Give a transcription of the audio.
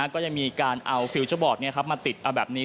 ก็ยังมีการเอาฟิลเจอร์บอร์ดมาติดเอาแบบนี้